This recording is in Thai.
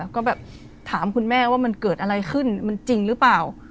ก็แบบถามคุณแม่ว่ามันเกิดอะไรขึ้นมันจริงหรือเปล่า